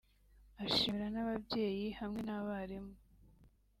ashimira n’ababyeyi hamwe n’abarimu